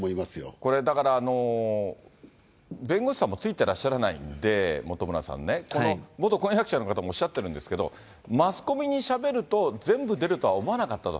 これだから、弁護士さんもついてらっしゃらないんで、本村さんね、この元婚約者の方もおっしゃってるんですけど、マスコミにしゃべると全部出るとは思わなかったと。